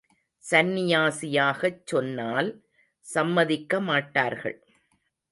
சன்னியாசியாகச் சொன்னால் சம்மதிக்கமாட்டார்கள்.